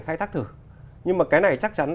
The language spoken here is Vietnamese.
khai thác thử nhưng mà cái này chắc chắn